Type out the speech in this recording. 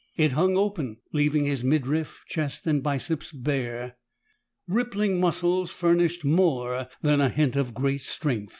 It hung open, leaving his midriff, chest and biceps bare. Rippling muscles furnished more than a hint of great strength.